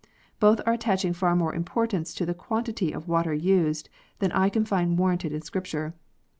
Both are attaching far more importance to the quantity of water used than I can find warranted in Scripture.